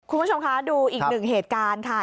คุณผู้ชมคะดูอีกหนึ่งเหตุการณ์ค่ะ